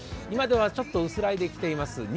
今ではちょっと薄らいできています